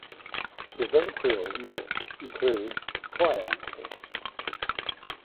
His other films include Cry Uncle!